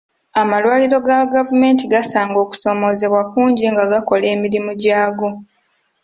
Amalwaliro ga gavumenti gasanga okusoomoozebwa kungi nga gakola emirimu gyaago.